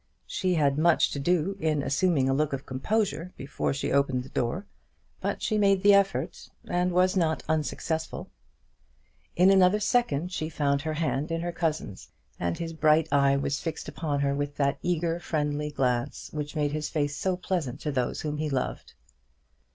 She had much to do in assuming a look of composure before she opened the door; but she made the effort, and was not unsuccessful. In another second she found her hand in her cousin's, and his bright eye was fixed upon her with that eager friendly glance which made his face so pleasant to those whom he loved.